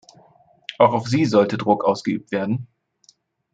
Auch auf sie sollte Druck ausgeübt werden.